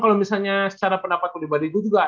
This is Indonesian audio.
kalo misalnya secara pendapatku dibandingin